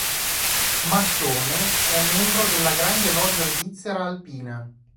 Massone, è membro della "Grande Loggia svizzera Alpina".